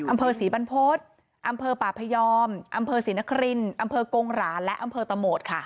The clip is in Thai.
อำเภอศรีบรรพฤษอำเภอป่าพยอมอำเภอศรีนครินอำเภอกงหราและอำเภอตะโหมดค่ะ